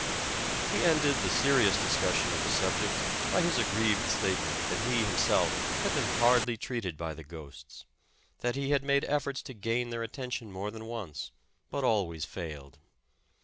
He ended the serious discussion of the subject by his aggrieved statement, that he, himself, had been hardly treated by the ghosts; that he had made efforts to gain their at tention more than once, but always failed.